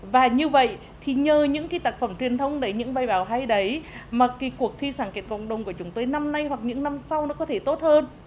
và như vậy thì nhờ những cái tác phẩm truyền thông đấy những bài báo hay đấy mà cái cuộc thi sáng kiệt cộng đồng của chúng tôi năm nay hoặc những năm sau nó có thể tốt hơn